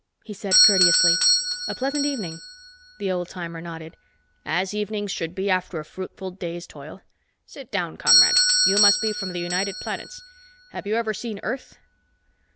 He said courteously, "A pleasant evening." The old timer nodded. "As evenings should be after a fruitful day's toil. Sit down, comrade. You must be from the United Planets. Have you ever seen Earth?"